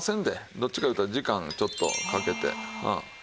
どっちか言うたら時間ちょっとかけてうん。